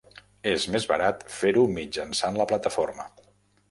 És més barat fer-ho mitjançant la plataforma.